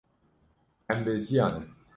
Em beziyane.